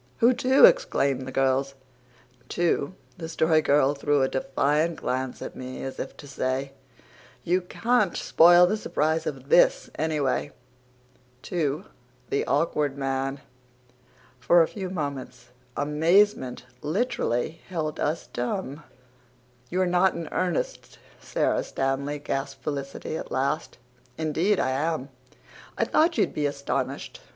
"Who to?" exclaimed the girls. "To" the Story Girl threw a defiant glance at me as if to say, "You can't spoil the surprise of THIS, anyway," "to the Awkward Man." For a few moments amazement literally held us dumb. "You're not in earnest, Sara Stanley?" gasped Felicity at last. "Indeed I am. I thought you'd be astonished.